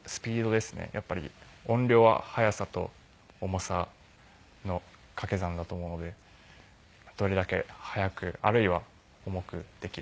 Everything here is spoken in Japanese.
やっぱり音量は速さと重さの掛け算だと思うのでどれだけ速くあるいは重くできるかっていう。